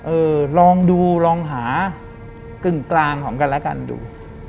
เออลองดูลองหากึ่งกลางของกันแล้วกันดู